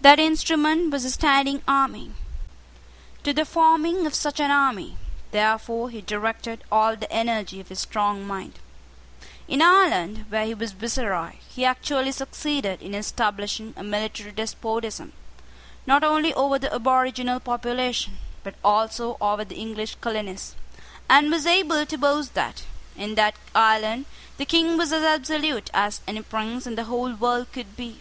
That instrument was a standing army. To the forming of such an army, therefore, he directed all the energy of his strong mind. In Ireland, where he was viceroy, he actually succeeded in establishing a military despotism, not only over the aboriginal population, but also over the English colonists, and was able to boast that, in that island, the King was as absolute as any prince in the whole world could be.